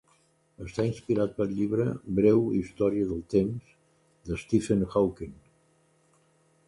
Està inspirat pel llibre "Breu història del temps, de Stephen Hawking.